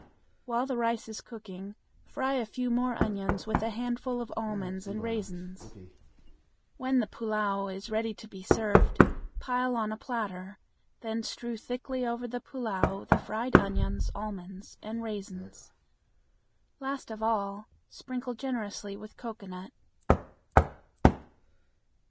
While the rice is cooking fry a few more onions with a handful of almonds and raisins. When the pullao is ready to be served, pile on a platter, then strew thickly over the pullao the fried onions, almonds, and raisins. Last of all, sprinkle generously with cocoanut.